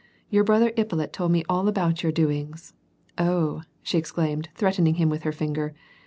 "Your brother Ippolit told me Jill about your doings — oh!" she exclaimed, threatening him with her linger.